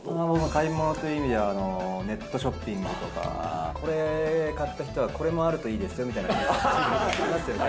買い物という意味では、ネットショッピングとか。これ買った人はこれもあるといいですよみたいな、出てきますよね。